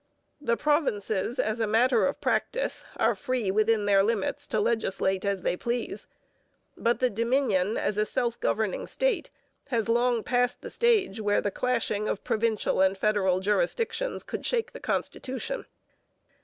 The provinces, as a matter of practice, are free within their limits to legislate as they please. But the Dominion as a self governing state has long passed the stage where the clashing of provincial and federal jurisdictions could shake the constitution.